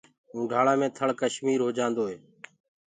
اونڍآݪآ مي ٿݪ ڪشمير هو جآندوئي